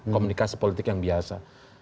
komunikasi politik yang biasa